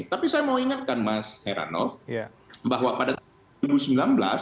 tapi saya mau ingatkan mas heranov bahwa pada tahun dua ribu sembilan belas